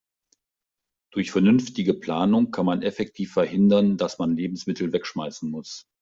Durch vernünftige Planung kann man effektiv verhindern, dass man Lebensmittel wegschmeißen muss.